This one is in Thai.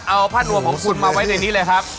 เอาผ้านวมของคุณมาไว้ในนี้เลยครับ